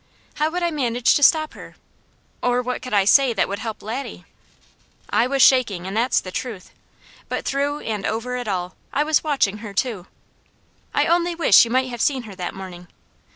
How would I manage to stop her? Or what could I say that would help Laddie? I was shaking, and that's the truth; but through and over it all, I was watching her too. I only wish you might have seen her that morning.